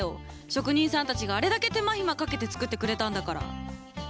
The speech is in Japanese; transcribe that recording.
職人さんたちがあれだけ手間暇かけて作ってくれたんだから。